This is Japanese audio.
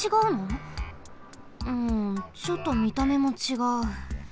うんちょっとみためもちがう。